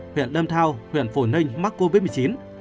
huyện lâm thao huyện phổ ninh mắc covid một mươi chín